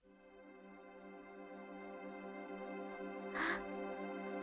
あっ。